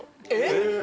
えっ！